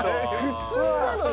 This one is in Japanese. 普通なのよ！